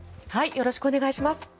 よろしくお願いします。